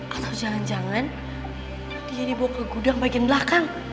kalau jangan jangan dia dibawa ke gudang bagian belakang